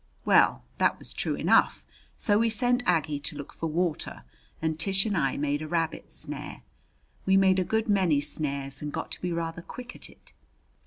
Well, that was true enough, so we sent Aggie to look for water and Tish and I made a rabbit snare. We made a good many snares and got to be rather quick at it.